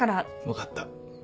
分かった。